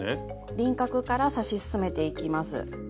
輪郭から刺し進めていきます。